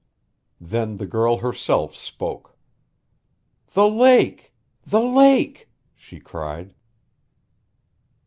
Then the girl herself spoke. "The lake! The lake!" she cried.